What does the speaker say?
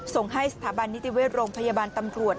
ส่งให้สถาบันนิติเวชโรงพยาบาลตำรวจ